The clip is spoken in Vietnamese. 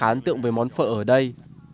điều gây ấn tượng với món phở ở đây